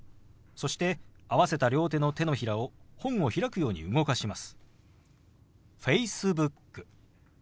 そして合わせた両手の手のひらを本を開くように動かします。